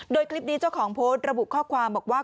โดยคลิปนี้เจ้าของโพสต์ระบุข้อความบอกว่า